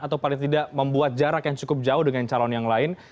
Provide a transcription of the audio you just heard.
atau paling tidak membuat jarak yang cukup jauh dengan calon yang lain